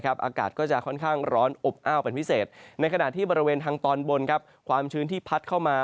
อากาศก็จะค่อนข้างร้อนอบอ้าวเป็นพิเศษในขณะที่บริเวณทางตอนบนความชื้นที่พัดเข้ามา